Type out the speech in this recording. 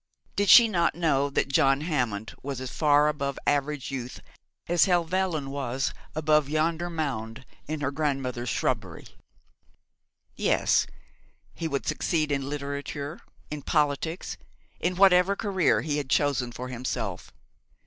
Did she not know that John Hammond was as far above average youth as Helvellyn was above yonder mound in her grandmother's shrubbery? Yes, he would succeed in literature, in politics, in whatever career he had chosen for himself.